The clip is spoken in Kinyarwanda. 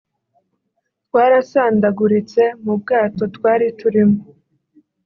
twarasandaguritse mu bwato twari turimo